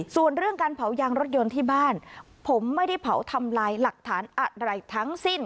ส่วนเรื่องการเผายางรถยนต์ที่บ้านผมไม่ได้เผาทำลายหลักฐานอะไรทั้งสิ้น